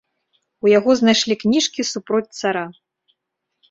У яго знайшлі кніжкі супроць цара.